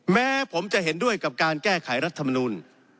แม้ผมจะเห็นด้วยกับการแก้ไขรัฐมนูล